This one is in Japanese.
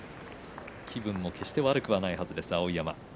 気分は決して悪くないはずです碧山。